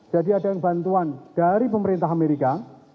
jadi ada yang bantuan dari pemerintah amerika